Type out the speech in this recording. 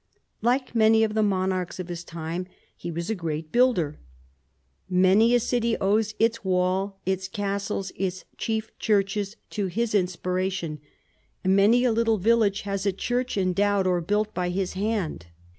Like many of the monarchs of his time he was a great builder. Many a city owes its wall, its castles, its chief churches to his inspiration — many a little village has a church endowed or built by his hand.